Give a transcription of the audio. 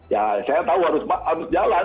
ya saya tahu harus jalan